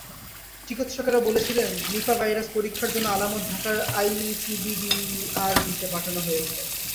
চিকিৎসকেরা বলছেন, Nipah virus পরীক্ষার জন্য আলামত ঢাকার আইসিডিডিআরবিতে পাঠানো হয়েছে।